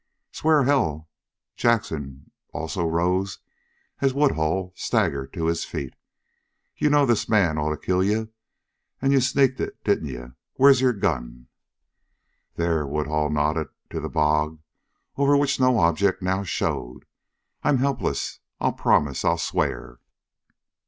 "Swear? Hell!" Jackson also rose as Woodhull staggered to his feet. "Ye knew this man orto kill ye, an' ye sneaked hit, didn't ye? Whar's yer gun?" "There!" Woodhull nodded to the bog, over which no object now showed. "I'm helpless! I'll promise! I'll swear!"